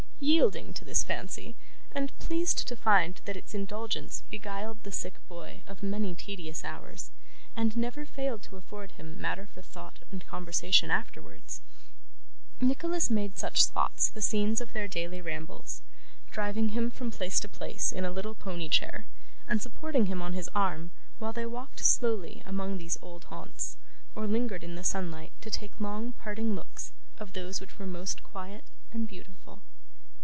Yielding to this fancy, and pleased to find that its indulgence beguiled the sick boy of many tedious hours, and never failed to afford him matter for thought and conversation afterwards, Nicholas made such spots the scenes of their daily rambles: driving him from place to place in a little pony chair, and supporting him on his arm while they walked slowly among these old haunts, or lingered in the sunlight to take long parting looks of those which were most quiet and beautiful.